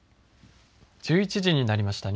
１１時になりました。